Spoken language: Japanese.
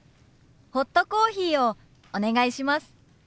ホットコーヒーをお願いします。